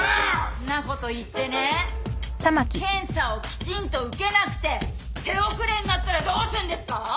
んなこと言ってね検査をきちんと受けなくて手遅れになったらどうすんですかぁ？